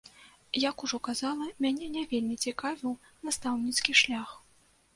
Як ужо казала, мяне не вельмі цікавіў настаўніцкі шлях.